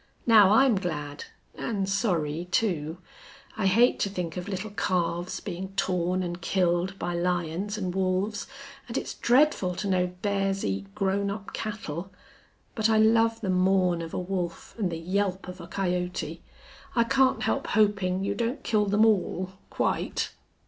Now I'm glad, and sorry, too. I hate to think of little calves being torn and killed by lions and wolves. And it's dreadful to know bears eat grown up cattle. But I love the mourn of a wolf and the yelp of a coyote. I can't help hoping you don't kill them all quite."